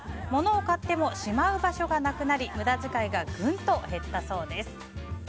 物を買ってもしまう場所がなくなり無駄遣いがぐんと減ったそうです。